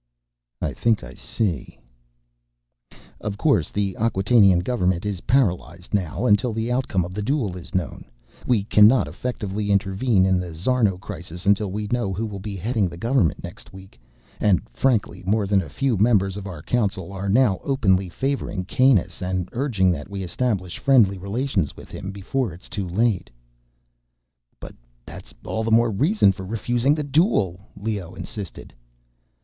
"I think I see—" "Of course. The Acquatainian Government is paralyzed now, until the outcome of the duel is known. We cannot effectively intervene in the Szarno crisis until we know who will be heading the Government next week. And, frankly, more than a few members of our Council are now openly favoring Kanus and urging that we establish friendly relations with him before it is too late." "But, that's all the more reason for refusing the duel," Leoh insisted.